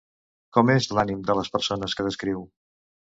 Com és l'ànim de les persones que descriu?